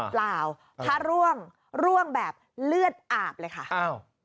เปล่าพระร่วงร่วงแบบเลือดอาบเลยค่ะอ้าว